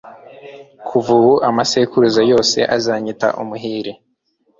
kuva ubu amasekuruza yose azanyita umuhire